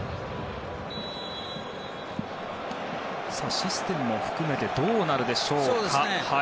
システムも含めてどうなるでしょうか。